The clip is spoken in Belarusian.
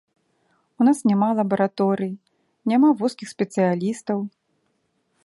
У нас няма лабараторый, няма вузкіх спецыялістаў.